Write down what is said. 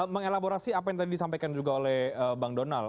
mengelaborasi apa yang tadi disampaikan juga oleh bang donal